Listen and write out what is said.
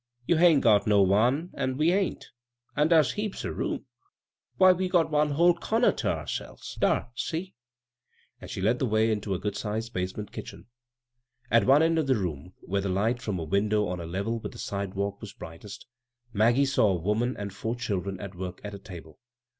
" You hain't got no one, an' we hain't. An' dar's heaps o' room — why, we got one whole comer ter our selves. Dar, seel" And she led the way into a good sized basement kitchen. At one end of the room, where the light from a window on a level with the sidewalk was brightest, Maggie saw a woman and four children at work at a table.